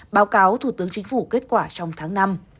báo cáo thủ tướng chính phủ kết quả trong tháng năm